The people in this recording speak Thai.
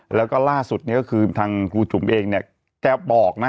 แล้วก็ล่าสุดเนี่ยก็คือทางครูจุ๋มเองเนี่ยแกบอกนะ